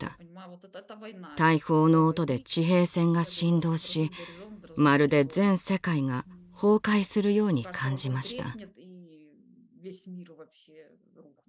大砲の音で地平線が震動しまるで全世界が崩壊するように感じました。